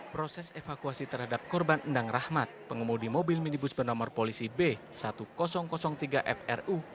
proses evakuasi terhadap korban endang rahmat pengemudi mobil minibus bernomor polisi b seribu tiga fru